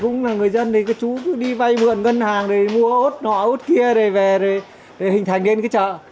người dân thì cứ chú đi vay mượn ngân hàng để mua ốt nọ ốt kia để về để hình thành đến cái chợ